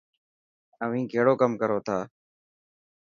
اوهين ڪهڙو ڪم ڪرو ٿا؟